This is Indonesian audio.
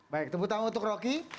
baik tepuk tangan untuk rocky